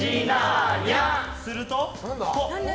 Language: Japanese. すると。